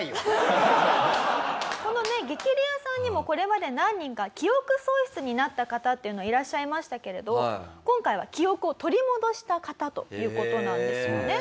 このね『激レアさん』にもこれまで何人か記憶喪失になった方っていうのはいらっしゃいましたけれど今回は記憶を取り戻した方という事なんですよね。